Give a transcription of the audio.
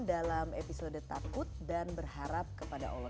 dalam episode takut dan berharap kepada allah